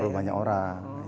terlalu banyak orang